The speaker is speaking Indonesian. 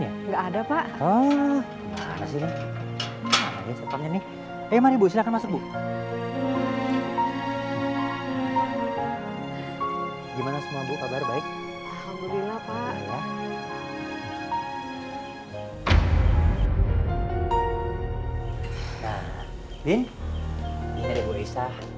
ini ada gue isah